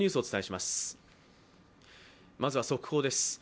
まずは速報です。